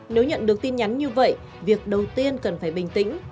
nếu nhận được tin nhắn như vậy việc đầu tiên cần phải bình tĩnh